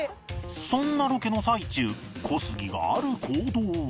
そんなロケの最中小杉がある行動を